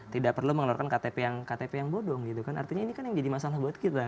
tidak perlu mengeluarkan ktp yang bodong gitu kan artinya ini kan yang jadi masalah buat kita